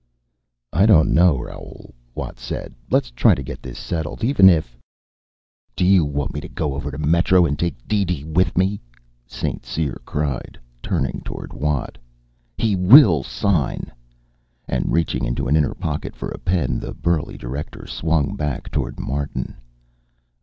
"I don't know, Raoul," Watt said. "Let's try to get this settled even if " "Do you want me to go over to Metro and take DeeDee with me?" St. Cyr cried, turning toward Watt. "He will sign!" And, reaching into an inner pocket for a pen, the burly director swung back toward Martin.